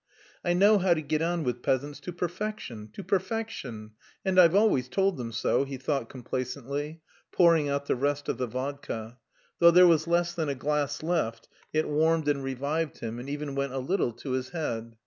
"I know how to get on with peasants to perfection, to perfection, and I've always told them so," he thought complacently, pouring out the rest of the vodka; though there was less than a glass left, it warmed and revived him, and even went a little to his head.